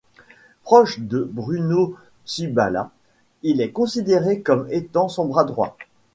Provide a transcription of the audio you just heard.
Proche de Bruno Tshibala, il est considéré comme étant son bras droit.